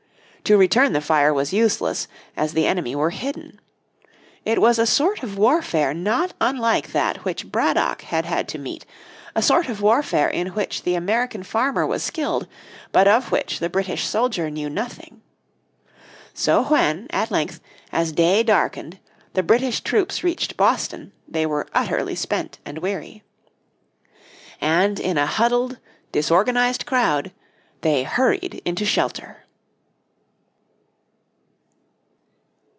To return the fire was useless, as the enemy were hidden. It was a sort of warfare not unlike that which Braddock had had to meet, a sort of warfare in which the American farmer was skilled, but of which the British soldier knew nothing. So when, at length, as day darkened the British troops reached Boston they were utterly spent and weary. And in a huddled, disorganised crowd, they hurried into shelter.